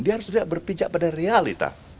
dia harus tidak berpijak pada realita